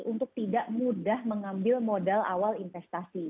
untuk tidak mudah mengambil modal awal investasi